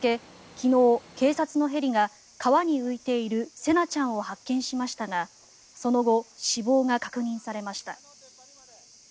昨日、警察のヘリが川に浮いている聖凪ちゃんを発見しましたがその後、死亡が確認されました。